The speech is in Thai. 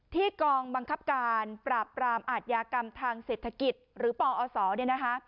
กองบังคับการปราบปรามอาทยากรรมทางเศรษฐกิจหรือปอศเนี่ยนะคะ